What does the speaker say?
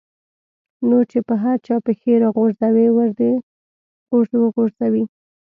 نور چې په هر چا پېښې را غورځي ور دې وغورځي.